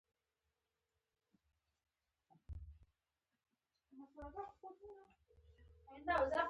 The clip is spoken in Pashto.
خو موږ پرې نه پوهېدلو.